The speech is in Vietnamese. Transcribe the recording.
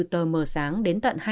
tờ mờ sáng đến tận hai mươi ba h